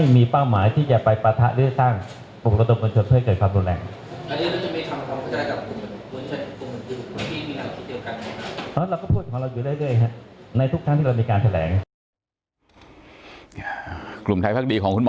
บ่าย๒จะไปสำนักงานอายการสูงสุด